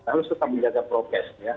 harus tetap menjaga progress ya